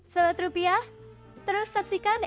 sewet rupiah terus saksikan